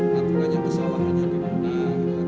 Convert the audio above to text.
satu hanya kesalahan satu hanya kebenaran